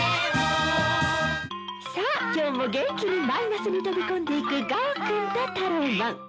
さあ今日も元気にマイナスに飛び込んでいくガオくんとタローマン！